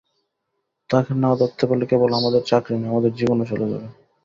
তাকে না ধরতে পারলে কেবল আমাদের চাকরি নয়, আমাদের জীবনও চলে যাবে।